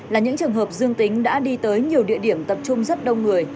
là những trường hợp dương tính đã đi tới nhiều địa điểm tập trung rất đông người